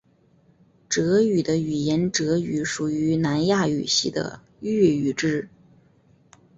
哲族的语言哲语属于南亚语系的越语支。